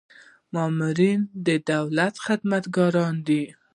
مامورین د دولت خدمتګاران دي